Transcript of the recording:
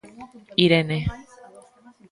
Irene.